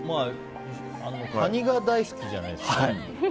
カニが大好きじゃないですか。